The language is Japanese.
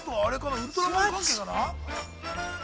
ウルトラマン関係かな。